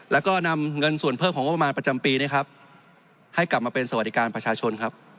แล้วก็นำเงินส่วนเพิ่มของงบประมาณประจำปีนี้ครับให้กลับมาเป็นสวัสดิการประชาชนครับ